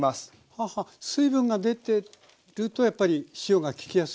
はあはあ水分が出てるとやっぱり塩がききやすい。